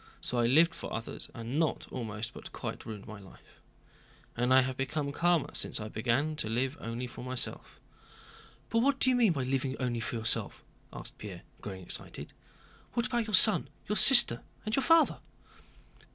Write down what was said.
—So I lived for others, and not almost, but quite, ruined my life. And I have become calmer since I began to live only for myself." "But what do you mean by living only for yourself?" asked Pierre, growing excited. "What about your son, your sister, and your father?"